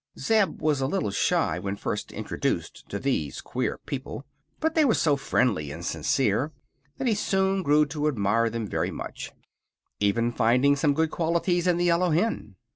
Zeb was a little shy when first introduced to these queer people; but they were so friendly and sincere that he soon grew to admire them very much, even finding some good qualities in the yellow hen.